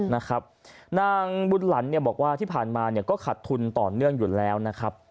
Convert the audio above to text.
นางบุญหลันเนี่ยบอกว่าที่ผ่านมาเนี่ยก็ขัดทุนต่อเนื่องอยู่แล้วนะครับ